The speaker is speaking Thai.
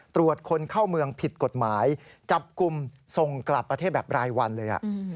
ตรวจคนเข้าเมืองผิดกฎหมายจับกลุ่มส่งกลับประเทศแบบรายวันเลย